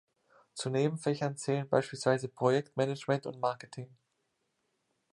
Zu Nebenfächern zählen beispielsweise Projektmanagement und Marketing.